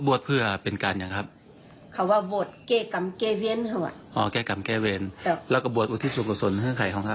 กุเจ้ากุป๊าอันที่ในเมืองไทยไปนอกประเทศเชียงนั่น